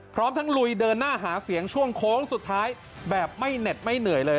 พร้อมทั้งลุยเดินหน้าหาเสียงช่วงโค้งสุดท้ายแบบไม่เหน็ดไม่เหนื่อยเลย